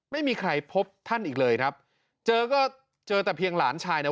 ไม่มีใครพบท่านอีกเลยครับเจอก็เจอแต่เพียงหลานชายเนี่ย